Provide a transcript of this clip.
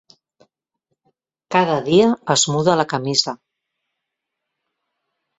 Cada dia es muda la camisa.